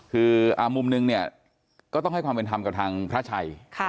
คือมุมนึงเนี่ยก็ต้องให้ความเป็นธรรมกับทางพระชัย